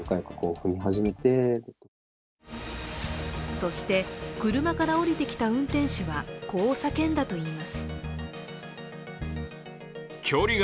そして車から降りてきた運転手は、こう叫んだといいます。